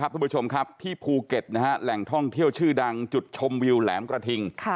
ทุกคนค่ะที่ภูเก็ตนะครับแหล่งท่องเที่ยวชื่อดังจุดชมวิวแหลมกระทิง